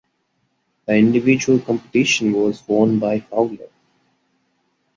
The individual competition was won by Fowler.